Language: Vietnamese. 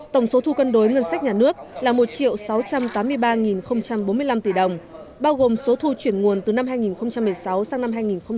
tổng số thu cân đối ngân sách nhà nước là một sáu trăm tám mươi ba bốn mươi năm tỷ đồng bao gồm số thu chuyển nguồn từ năm hai nghìn một mươi sáu sang năm hai nghìn một mươi bảy